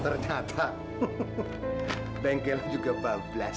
ternyata bengkel juga bablas